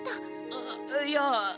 あっいいや。